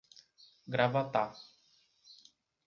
Gravatá